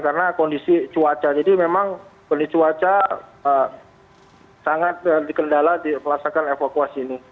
karena kondisi cuaca jadi memang kondisi cuaca sangat dikendala di pelasakan evakuasi ini